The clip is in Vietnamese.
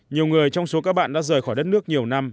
nhiều người trong số các bạn đã rời khỏi đất nước nhiều năm